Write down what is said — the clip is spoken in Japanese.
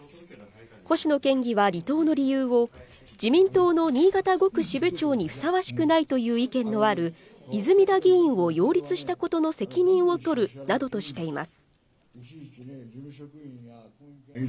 星野県議は離党の理由を自民党の新潟５区支部長にふさわしくないという意見のある泉田議員を擁立したことの責任を取るためなどとしています。